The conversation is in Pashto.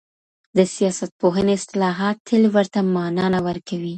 د سياست پوهني اصطلاحات تل ورته مانا نه ورکوي.